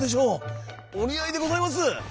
おにあいでございます！